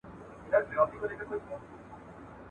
يا له داسي ستړو ستومانيو